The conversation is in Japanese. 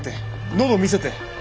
喉を見せて！